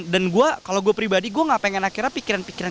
dan gue kalo gue pribadi gue gak pengen akhirnya pikiran pikiran